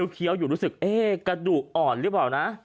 เคี้ยวอยู่รู้สึกกระดูกอ่อนหรือเปล่านะ